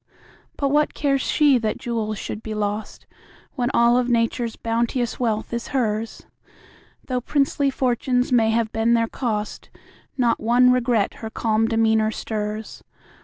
But what cares she that jewels should be lost, When all of Nature's bounteous wealth is hers? Though princely fortunes may have been their cost, Not one regret her calm demeanor stirs.